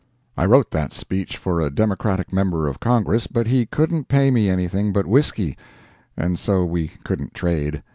I wrote that speech for a Democratic member of Congress, but he couldn't pay me anything but whisky, and so we couldn't trade.